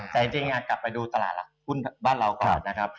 แต่จริงกลับไปดูตลาดหุ้นบ้านเราก่อนนะครับ